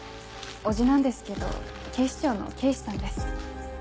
叔父なんですけど警視庁の警視さんです。